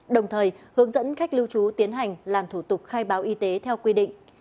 đồng thời hướng dẫn khách lưu trú tiến hành làm thủ tục khai báo y tế theo quy định